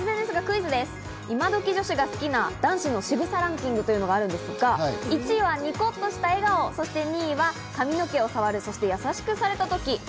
イマドキ女子が好きな男子のしぐさランキングというのがあるんですが、１位はニコっとした笑顔、２位は髪の毛をさわる、そして優しくされたとき。